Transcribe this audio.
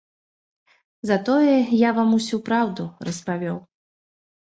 Затое я вам усю праўду распавёў.